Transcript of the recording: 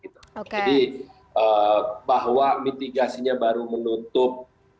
jadi bahwa mitigasinya baru menutup